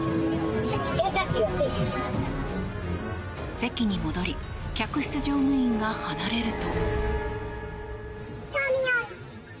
席に戻り客室乗務員が離れると。